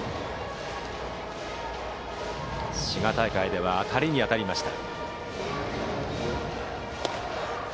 滋賀大会では当たりに当たりました。